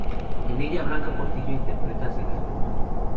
En ella Blanca Portillo interpreta a Segismundo.